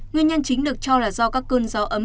nguyên nhân chính được cho là do các cơn gió ấm